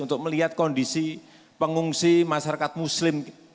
untuk melihat kondisi pengungsi masyarakat muslim